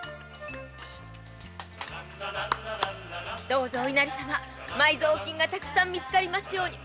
どうぞお稲荷様埋蔵金がたくさん見つかりますように。